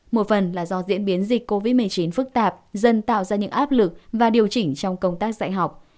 một phần là do diễn biến dịch covid một mươi chín phức tạp dần tạo ra những áp lực và điều chỉnh trong công tác dạy học